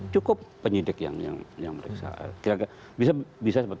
cukup penyidik yang mereka